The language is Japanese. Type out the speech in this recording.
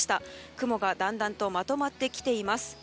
雲がだんだんとまとまっていています。